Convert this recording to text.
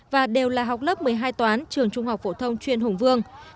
và đều là học lớp một mươi hai toán trường trung học phổ thông chuyên hùng vương